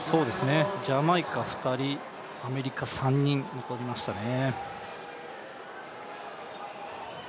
ジャマイカ２人、アメリカ３人残りましたね。